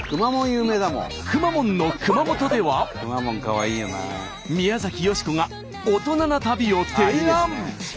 くまモンの熊本では宮崎美子が大人な旅を提案。